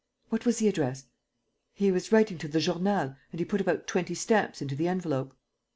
"What was the address?" "He was writing to the Journal and he put about twenty stamps into the envelope."